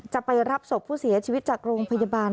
จะไปรับศพผู้เสียชีวิตจากโรงพยาบาล